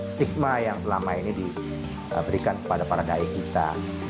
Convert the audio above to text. stigma yang selama ini diberikan kepada para daik kita